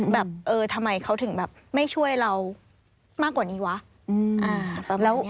แบบเออทำไมเขาถึงแบบไม่ช่วยเรามากกว่านี้วะ